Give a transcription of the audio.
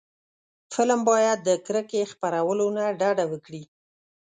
فلم باید د کرکې خپرولو نه ډډه وکړي